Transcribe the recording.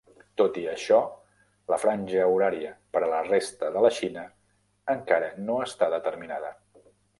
Tot i això, la franja horària per a la resta de la Xina encara no està determinada.